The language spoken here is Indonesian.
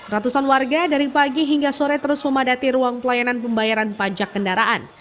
ratusan warga dari pagi hingga sore terus memadati ruang pelayanan pembayaran pajak kendaraan